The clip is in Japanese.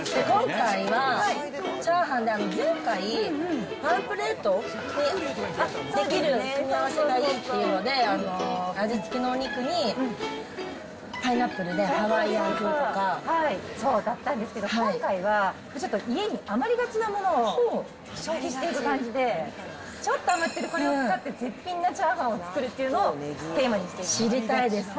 今回は、チャーハン、ワンプレートにできる組み合わせがいいっていうので、味付きのお肉に、パイナップルでハワイアン風とか。そうだったんですけど、今回はちょっと家に余りがちなものを消費していく感じで、ちょっと余ってるこれを使って、絶品のチャーハンを作るっていうのをテーマにしていきたいと。